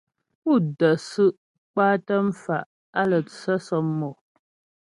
Pú də́ su' kwatə mfa' á lə́ tsə sɔmmò.